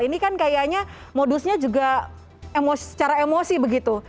ini kan kayaknya modusnya juga secara emosi begitu